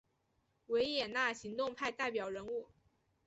维也纳行动派代表人物。